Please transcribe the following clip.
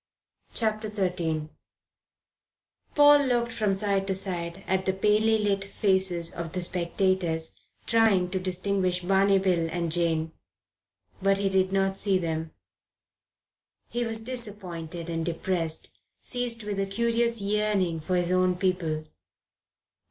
CHAPTER XIII PAUL looked from side to side at the palely lit faces of the spectators, trying to distinguish Barney Bill and Jane. But he did not see them. He was disappointed and depressed, seized with a curious yearning for his own people.